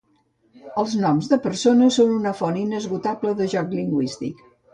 Els noms de persona són una font inesgotable de joc lingüístic.